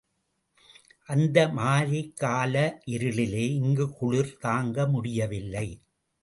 அந்த மாரிக்கால இருளிலே இங்கு குளிர் தாங்கமுடியவில்லை.